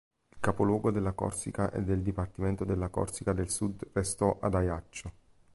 Il capoluogo della Corsica e del dipartimento della Corsica del Sud restò ad Ajaccio.